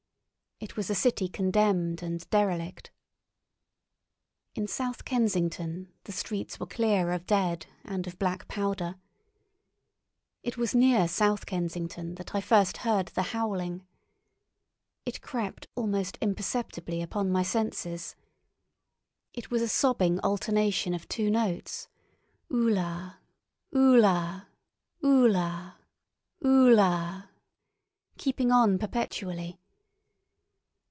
It was a city condemned and derelict. ... In South Kensington the streets were clear of dead and of black powder. It was near South Kensington that I first heard the howling. It crept almost imperceptibly upon my senses. It was a sobbing alternation of two notes, "Ulla, ulla, ulla, ulla," keeping on perpetually.